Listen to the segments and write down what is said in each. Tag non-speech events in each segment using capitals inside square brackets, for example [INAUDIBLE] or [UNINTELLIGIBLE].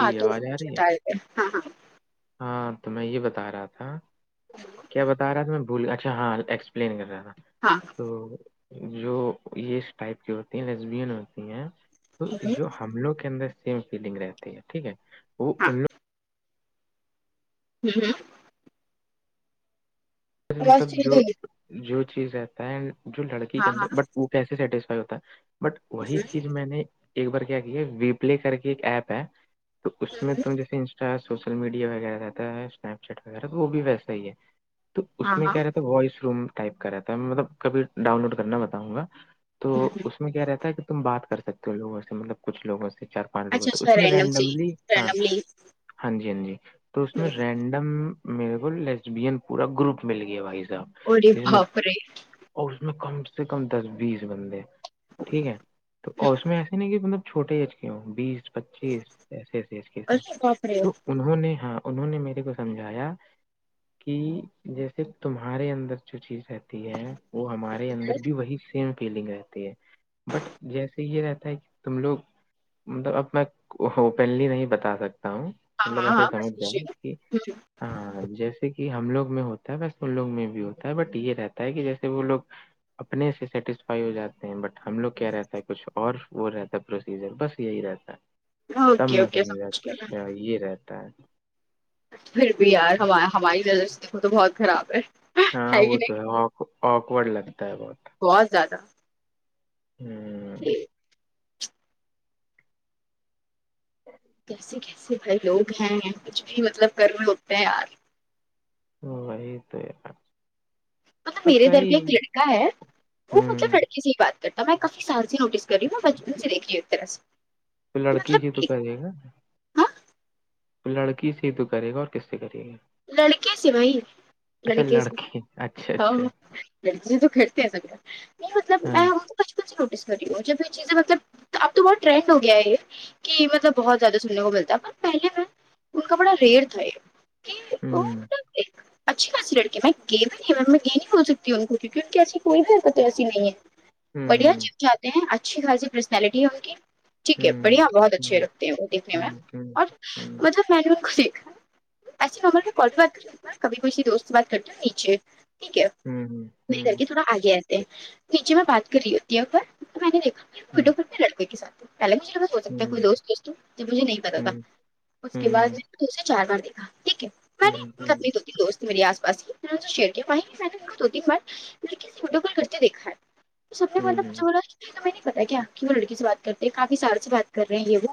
جی آواز آ رہی ہے ہاں تو میں یہ بتا رہا تھا کیا بتا رہا تھا میں بھول اچھا ہاں ایکسپلین کر رہا تھا ہاں تو جو یہ اس ٹائپ کی ہوتی ہیں لیسبین ہوتی ہیں تو جو ہم لوگ کے اندر سیم فیلنگ رہتی ہے ٹھیک ہے وہ ہاں ان لوگ ہاں ہاں آواز مطلب چلی جو گئی جو چیز رہتا ہے جو لڑکی کے ہاں ہاں اندر بٹ وہ کیسے سیٹسفائی ہوتا ہے بٹ وہی چیز میں نے ایک بار کیا کیے وی پلے کر کے ایک ایپ ہے تو اس میں تم جیسے انسٹا سوشل میڈیا وغیرہ رہتا ہے اسنیپ چیٹ وغیرہ تو وہ بھی ویسا ہی ہے تو ہاں اس میں ہاں کیا رہتا ہے وائس روم ٹائپ کا رہتا ہے میں مطلب کبھی ڈاؤن لوڈ کرنا بتاؤں گا تو اس میں کیا رہتا ہے کہ تم بات کر سکتے ہو لوگوں سے مطلب کچھ لوگوں سے چار پانچ لوگوں اچھا سے تو اچھا اس میں رینڈم سے رینڈملی ہاں رینڈملی ہاں جی ہاں جی تو اس میں رینڈم میرے کو لیبیس پورا گروپ مل گیا بھائی صاحب ارے میں باپ رے اور اس میں کم سے کم دس بیس بندے ٹھیک ہے تو اس میں ایسے نہیں کہ مطلب چھوٹے ایج کے ہو بیس پچیس ایسی ایسی ایج کی ارے سر باپ رے تو انہوں نے ہاں انہوں نے میرے کو سمجھایا کہ جیسے تمہارے اندر جو چیز رہتی ہے وہ ہمارے اندر بھی وہی فیلنگ رہتی ہے بٹ جیسے یہ رہتا ہے کہ تم لوگ مطلب اب میں اوپنلی نہیں بتا سکتا ہوں ہاں مطلب ہاں ہاں ایسے سمجھ جاؤں کہ جیسے کہ کہ ہم لوگ میں ہوتا ہے بس ان لوگ میں بھی ہوتا ہے بٹ یہ رہتا ہے کہ جیسے وہ لوگ اپنے سے سیٹسفائی ہو جاتے ہیں بٹ ہم لوگ کیا رہتا ہے کچھ اور وہ رہتا ہے پروسیجر بس یہی رہتا تب اوکے میں اوکے سمجھا سمجھ گیا میں اچھا یہ رہتا ہے پھر بھی یار ہماری نظر سے دیکھو تو بہت خراب ہے ہاں وہ کہ تو نہیں ہے آکورڈ لگتا ہے بہت بہت زیادہ ہاں جی [UNINTELLIGIBLE] کیسے کیسے بھائی لوگ ہیں کچھ بھی مطلب کر رہے ہوتے ہیں یار وہی تو ہے نا مطلب میرے گھر پہ ایک لڑکا ہے وہ مطلب ہوں لڑکی سی بات میں کافی سال سے نوٹس کر رہی ہوں میں بچپن سے دیکھ رہی ہوں ایسے تو لڑکی ہی تو کہے گا ہاں تو لڑکی سے تو کرے گا اور کس سے کرے گا لڑکے سے بھائی اچھا لڑکے سے لڑکی اچھا اچھا [UNINTELLIGIBLE] بچپن سے ہاں نوٹس کر رہی ہوں جب یہ چیزیں مطلب اب تو بہت ٹرینڈ ہو گیا ہے یہ کہ مطلب بہت زیادہ سننے کو ملتا ہے پر پہلے میں ان کا بڑا ریئر تھا یہ ہوں [UNINTELLIGIBLE] اچھی خاصی لڑکے میں گئی بھی نہیں میں گئی نہیں بول سکتی ہ ان کو کیونکہ ان کی ایسی کوئی بھی حرکت ایسی نہیں ہے بڑھیا ہوں جم جاتے ہیں اچھی خاصی پرسنالٹی ہے ان کی ٹھیک ہے ہوں بڑھیا بہت ہوں اچھے لگتے ہیں وہ دیکھنے میں ہوں ہوں اور ہوں مطلب میں نے ان کو دیکھا ایےمر کال بات کر کبھی کوئی سسی دوست بات کرتے ہو نیچے ٹھیک ہے ہوں میرے گھر ہوں کے تھوڑا آگے رہتے ہیں نیچے میں بات کر رہی ہوتی ہے اپنا تو میں نے دیکھا وہ ہوں ٹ فر بھی لڑکے کے سات پہل مجھے ہو سکتا ہے کوئی دوست دوست جب مجھے نہیں پتا تھا ہوں اس کے بعد اسے چار بار دیکھا ٹھیک ہے [UNINTELLIGIBLE] ہوں ہوں اپنی دو دوست میرے آس پاس شیر کیے وہی میںنے بولا دو تین بار کسی کرتے دیکھا ہے سب نے مجھسے ہوں بولا کی تو میںنے پتا کیا کی و لڑکی سے بات کرتے ہیں یہ وہ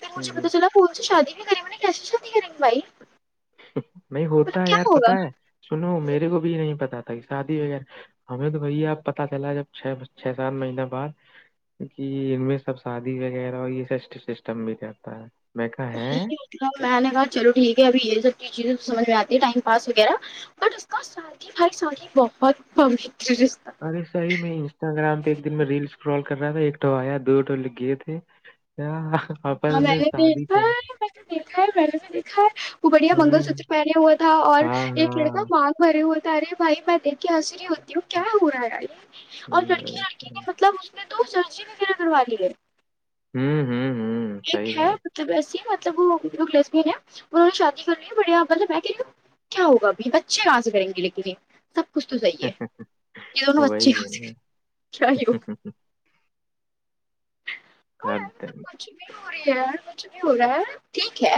فر مجھے پتا چلا [UNINTELLIGIBLE] نہیں مطلب ہوتا ہے کیا یار ہوگا پتا ہے سنو میرے کو بھی نہیں پتا تھا شادی وغیرہ ہمیں تو بھیا آب پتا چلا جب چھ چھ سات مہینے بعد کہ ان میں سب شادی وغیرہ ہو یہ س سسٹم بھی رہتا ہے میں کہ ہے مطلب میں نے کہا چلو ٹھیک ہے ابھی یہ سب چیزیں تو سمجھ میں آتی ہے ٹائم پاس وغیرہ بٹ اس کا بھائی صحی میں بہت پرمٹ رشتے ارے صحی میں انسٹاگرام پہ ایک دن میں ریل اسکرال کر رہا تھا ایک تو آیا دو تو گئے تھے [UNINTELLIGIBLE] ہاں میں نے شادی دیکھا کر ہے میں نے دیکھا ہے میں نے بھی دیکھا ہے وہ بڑھیا ہاں منگل سوتر پہنے ہوا تھا اور ہاں ایک لڑکا ہاں مانگ بھر ہوتا ارے بھائی میں دیکھ کے ہسری ہوں کیا ہو رہا ہے یہ اور ہوں لڑکی لڑکی نے مطلب اس نے تو سرزی وغیرہ کروا لی ہے ہوں ہوں ہوں صحیح ایک ہے بات مطلب ویسی مطلب وہ لیسبین ہے انہوں نے شادی کرنی ہے بڑھیا مطلب ہے کہ کیا ہوگا ابھی بچے کہا سے کرینگے لیکن یے سب کچھ تو صحی ہے یہ دونوں اچھے وہی ہے حاصل نا کیاے ہو [UNINTELLIGIBLE] کچھ بھی ہو رہی ہے کچھ بھی ہو رہا ہے ٹھیک ہے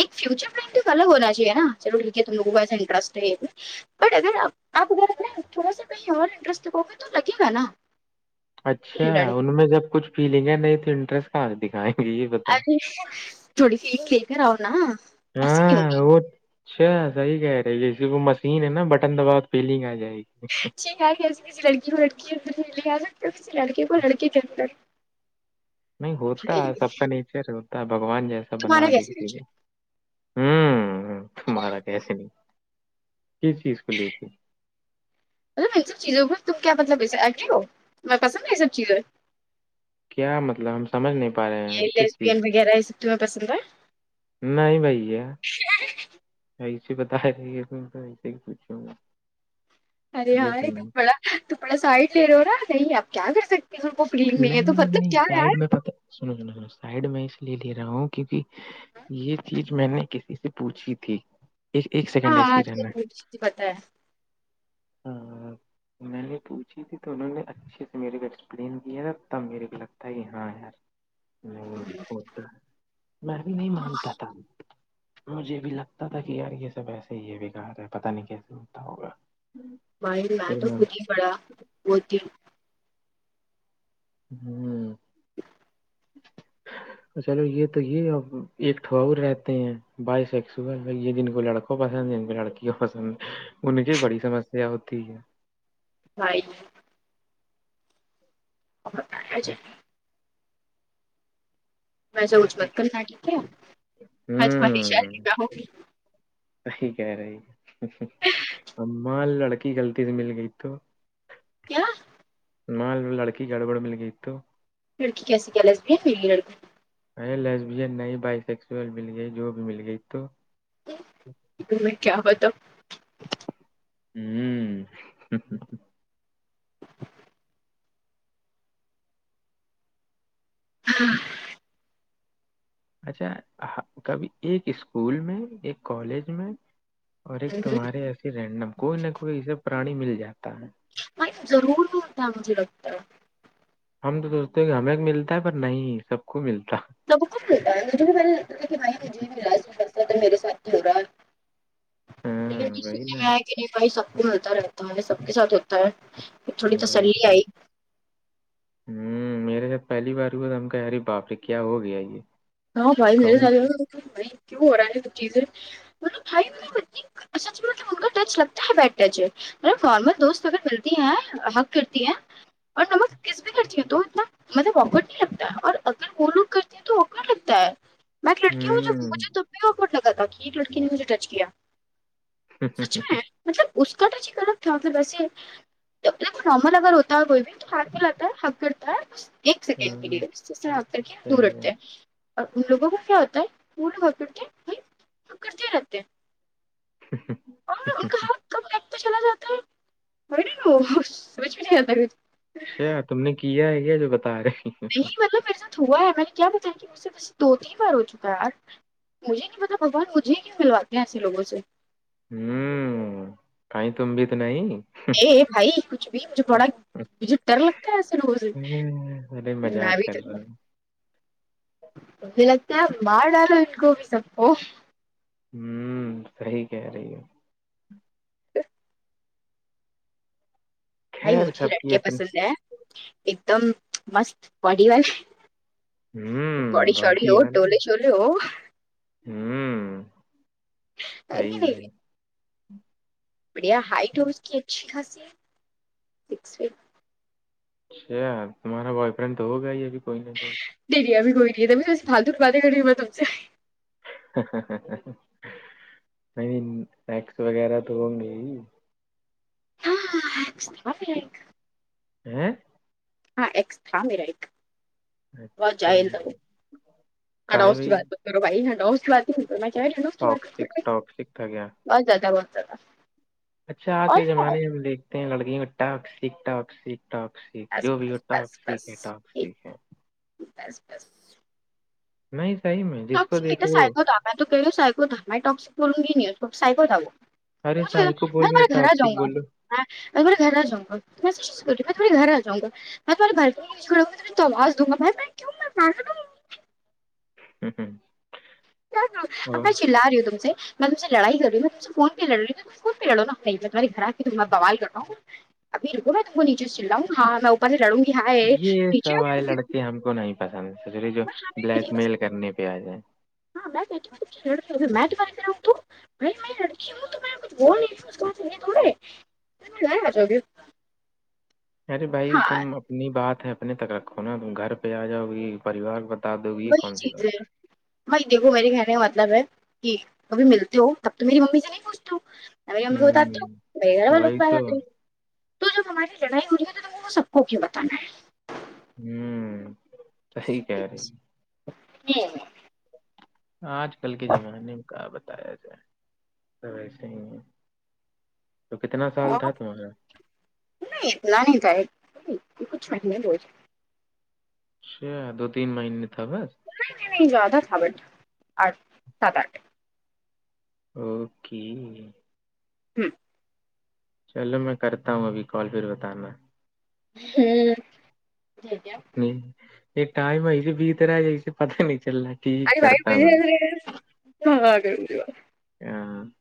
ایک فیوچر پک الگ ہونا چاہیے نا چلو ٹھیک ہے تملوگ کو ایسا انٹریسٹ ہے بٹ اگر آپ آپ اگر اپنا تھوڑا سا کہیں اور انٹریسٹ لگاؤ گے تو لگیگا نا اچھا ارے ان میں جب کچھ فیلنگ ہے نہیں تو انٹرسٹ کہا سے دکھائی ارے تھوڑی کھیل کر آؤ نا نہیں ہاں ہوگی وہ [UNINTELLIGIBLE] اچھا صحیح کہہ رہے ہیں جیسے وہ مشین ہے نا بٹن دباؤ فیلنگ آ جائے گی اچ کہ کسی لڑکی کو لڑکی اندر لے آ سکتے کسی لڑکے کو لڑک کے اندر نہیں ہوتا ہے سب کا نیچر ہوتا ہے بھگوان جیسا بنا تمہارا د کیسے کسی کو مطلب ہوں ہ تمہارا کیسے نہیں کس چیز کو لے کے [INAUDIBLE] [INAUDIBLE] مطلب ان سب چیزوںہ تم کیا مطلب کے ایکٹو ہو تمہیں پسند ہے یہ سب چیزیں کیا مطلب ہم سمجھ نہیں پا رہے ہیں یہ کس لیسبین چیز کو وغیرہ اس [UNINTELLIGIBLE] تمیں پسند ہے [UNINTELLIGIBLE] نہیں بھیا ا [UNINTELLIGIBLE] [UNINTELLIGIBLE] ایسے بتا رہی ہے ت تو ایسے ہی پوچھا گا ارے یہ سب ہاںارے نہیں توپڑا تٹکڑا سائڈ لے رہ ہو نا نہیں آپ کیا کر سکتے کسین کو فری نہیں ہے تو مطلب نہیں کیا یار سائڈ میں پتہ سنو سنو سو سائڈ میں اس لیے لے رہا ہوں کیونکہ یہ چیز میں نے کسی سے پوچھی تھی [UNINTELLIGIBLE] ایک ایک س [UNINTELLIGIBLE] ہاں آج ک پت ہے ہاں [UNINTELLIGIBLE] انوں نے پوچھی تھی تو انہوں نے اچھے سے میرے کو ایکسپلین کیا تھا تب میرے کو لگتا ہے کہ ہاں یار ہ ہوتا ہے میں بھی نہیں مانتا تھا مجھے بھی لگتا تھا کہ یار یہ سب ایسے ہی یہ بگا رہا ہے پتا نہیں کیسے ہوتا ہوگا بائی میں تو خود ہی پڑا ہوتی ہوں ہوں [INAUDIBLE] [INAUDIBLE] [INAUDIBLE] [INAUDIBLE] چلو یہ تو یہ ا ایک ٹھواور رہتے ہیں بائیسیکس ہوا یہ دن کو لڑکا پسند نہیں ان لڑکیوں پسند انن کی بڑی سمسیا ہوتی ہے بھائی اور جے اب [UNINTELLIGIBLE] ویسا کچھ مت کرنا ٹھیک ہے میں تمہاری شاید ہوں نکاح ہوگی [UNINTELLIGIBLE] سی کیا رہ ام ل لک کی غلطی سے مل گئی تو کیا مال لڑکے گڑ بڑ ملےئی تو لڑکی کیسے کیا لسی ہے پھر یہ لڑکوں [UNINTELLIGIBLE] ا لیس بھی نہیں بائی سیکسل مل گئی جو بھی مل گئی تو تیں کیا بتاؤ [UNINTELLIGIBLE] ہوں ہ ہ [INAUDIBLE] [INAUDIBLE] ہاں [UNINTELLIGIBLE] اچھا کبھی ایک اسکول میں ایک کالج میں اور ایک تمہارے ایسے رینڈم کوئی نہ کوئی اسے پرانی مل جاتا ہے بائی ضرور دورتا مجھے لگتا ہے ہم تو سوچتے ہیں کہ ہمیں ملتا ہے پر نہیں سب کو ملتا سب کو ملتا ہے مجھے بھی میں نے بھائی مجھے بھی ملا ا تو میرے ساتھ ہو رہا ہے لگر ہاں وہی سننے نا میں آیا کہ نپھائی سب کو ملتا رہتا ہے سب کے ساتھ ہوتا ہے تھوڑی وہی تسلی تو آئی ہوں میرے ساتھ پہلی بار ہوا تھا ہم کہ ارے باپرے کیا ہو گیا یہ ہاں بھائی میرے کہوں ساتھ بھائی کیوں ہو رہا ہے چیز ملب بھائی م ب اچھا اچھا مطلب ان کا ٹچ لگتا ہے بیٹ ٹچ ہے م فارمل دوست اگر ملتی ہیں حق کرتی ہیں اور نمک کس بھی کرتی ہے تو اتنا مطب آکڈ نہیں لگتا ہے اور اگر وہ لوگ کرتے ہیں تو متا ہے ہوں میراپٹ لگا تھا کہ ایک لڑکی نے مجھے ٹچ کیا سچ میں ہے مطلب اس کا تو چ کر ر تھا مطھر ویسے مطلب نارمل اگر ہوتا ہے کوئی بھی تو نارمل آتا ہے حق کرتا ہے ایک سیکنڈ کے ہاں، لیے اس آ کر کے دور صحیح ہے رکھتے ہیں اور ان لوگوں کو کیا ہوتا ہے وہ لوگ ا کرتے پ کرڑتے رہتے [UNINTELLIGIBLE] اور تو چلا جاتا ہے نہیں وہ سوچ بھی نہیں آا اچھا تم نے کیا ہے کیا جو بتا رہے ہیں نہیں مطلب ایسا ہووا ہے میں نے کیا بتایا کہ مجھ سے بس دو تین بار ہو چکا ہے یار مجھے کی متابھگان مجھ ہی کیوں ملاتے ہیں ایسے لگوں سے ہوں کیں تمبت نہیں ا بھائی کچھ بھی مجھے بڑا بج ڈر لگتا ہےے روز بے مذاق کر رہا ہوں مجھے لگتا ہے باہار ڈالو ان کو بھی سب کو ہوں صحیح کہہ رہی ہے بھائی خیر مجھے سب کی لڑکیا اپن پسند ہیں ایک دم مست باڈی والے ہوں بڑی چڑی باٹھی ہو والی ٹوولے چوولے ہو ہوں صی نہیں ہے بڑھیا ہائٹ اور اس کی اچھی خاصیت س ف اچھا تمہارا بوائے فرینڈ تو ہو گا ہی ابھی کوئی نہیں دیرییابمی کوئی رہ ہے م میںےھ دور بادے گی ہوا تم سے نہیں یکس وغیرہ تو ہوں گے ہی ہاں ہاں ہوں ہاں ایکس تھا میرا ایک بت اچھا جائے ب کا ہے بھائی کرو بھائی نڈ کی بات میںنات ٹاکسک ٹاکسک تھا کیا بہت زیادہ بہت زیادہ اچھا آج اور کے زمانے میں ہم دیکھتے ہیں لڑکیوں کا ٹ سیک ٹاک سک ٹاک بس جو بھی ہو بس ٹاک سیک ہے بس ٹااک سھ بس ہے بس بس نہیں صحیح میں جس کو ٹکسک دیکھو وہ سائیکو دھاما تو گو سائیکو داما میں ٹکسکورن گ ن سائیکو دگو ارے وہھ سائی کو بول میں رہے تہارے گھر آ ٹاکسک جاؤں گا ہاں میں تھوڑے گھر جا گا تھڑی گھر ج ا گا میں تمہےھر پوھڑوں گا تے تو آازاوں گ بھ کیوں ہوں ہ ش لاری ہو تم سے میں تم سے لڑائی کر رہیوں میں تم سے فون پہ لڑیوں تم فون پہ لڑوا نہیں میںمہاری گھر آ کی میں بوال کر رہ ہوں ابھی رکو میں تم کو نیچے سے چلاؤں گ ہاں میں اوپر سے لڑوں گی ہاں یہ سب نیچے والے لڑکے ہم کو نہیں پسند سسوری جو میں ہاں بھی بلیک نہیں بس میل کرنے پہ آئے ج ہاں میں کہتی ہ میں تے کیا تو میں لڑکی ہ تو کچھ ب ن تھڑے گیا چ گ ارے بھائی تم اپنی بات ہے اپنے تک رکھو نا تم گھر پہ آ جاؤ گی پریوار دو گی یہ وہی کون سی چیز بات ہے وہی دیکھو میرے کہنے کا مطلب ہے کہ کبھی ملتے ہو تب تو میری ممی سے نہیں پوچھتی ام ہے؟ ہوتا تو ہوں و گھر وال لوک وہی تو پے تو جب ہماری لڑائی ہو رہی ہے تو تم کو وہ سب کو کیوں بتا ہے ہوں سحی کہہ رہی جوں آج کل کے زمانے میں کا بتایا جائے س وسے ہی ہے تو کتنا سال تھا تمہارا نہیں اتنا نہیں تھا ایک کچھ مہینے ب ج س دو تین ماہیننے تاب نہیں نہیں نہیں جا تھا تھا بٹ آٹھ سات آٹھ اوکے ہوں چلو میں کرتا ہوں ابھی کال پھر بتانا ہوں یہ ٹائم ہے اسے بیت رہا ہے ج اسے پتاہ نہیں چل رہا ہے ا وائٹ بجرےاں گے ہ [UNINTELLIGIBLE]